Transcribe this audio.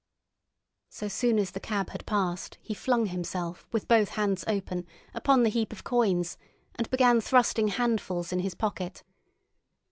So soon as the cab had passed, he flung himself, with both hands open, upon the heap of coins, and began thrusting handfuls in his pocket.